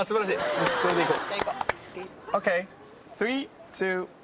よしそれでいこう。